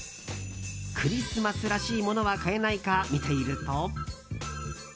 クリスマスらしいものは買えないか見ていると。